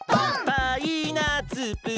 パイナツプル。